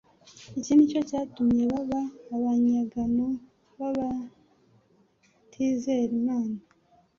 Iki nicyo cyatumye baba abanyagano b'abatizera Imana.